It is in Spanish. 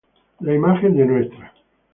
La imagen de Ntra.